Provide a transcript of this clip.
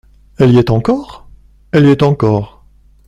Elle y est encore ? Elle y est encore.